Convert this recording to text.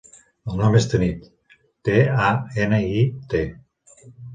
El nom és Tanit: te, a, ena, i, te.